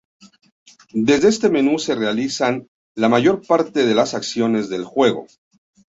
Desde este menú, se realizan la mayor parte de las acciones del juego.